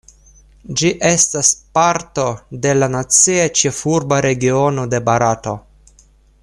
Ĝi estas parto de la Nacia Ĉefurba Regiono de Barato.